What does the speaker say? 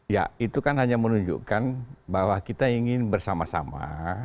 ya itu kan hanya menunjukkan bahwa kita ingin bersama sama